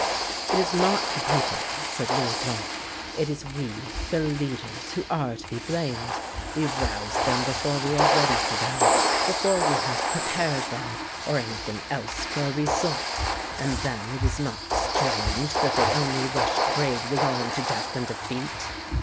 "It is not the people," said Louis Blanc, "it is we the leaders, who are to be blamed. We rouse them before we are ready for them before we have prepared them or anything else for a result; and then it is not strange that they only rush bravely on to death and defeat.